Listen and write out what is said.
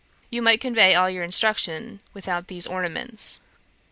You might convey all your instruction without these ornaments.'